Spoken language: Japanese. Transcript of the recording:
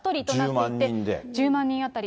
１０万人当たり。